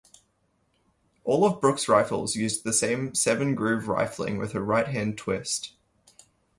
All of Brooke's rifles used the same seven-groove rifling with a right-hand twist.